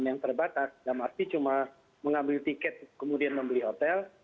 yang terbatas dalam arti cuma mengambil tiket kemudian membeli hotel